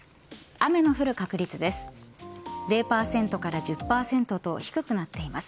雨の降る確率です。